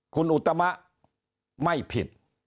คุณอุตมะไม่ผิด